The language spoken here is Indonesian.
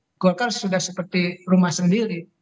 tetapi pak jokowi dia sudah seperti rumah sendiri